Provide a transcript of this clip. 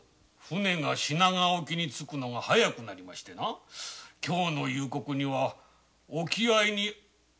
船が品川沖へ着くのが早くなりましてな今日の夕刻には沖合に入るとの知らせで。